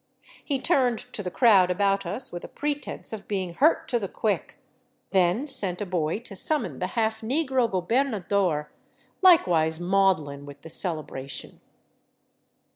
He turned to the crowd about us witli a pretense of being hurt to the quick, then sent a boy to summon the half negro gobernador, likewise maudlin with the celebration.